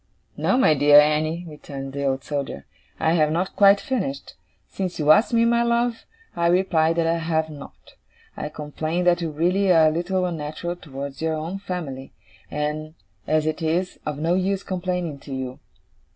'No, my dear Annie,' returned the Old Soldier, 'I have not quite finished. Since you ask me, my love, I reply that I have not. I complain that you really are a little unnatural towards your own family; and, as it is of no use complaining to you.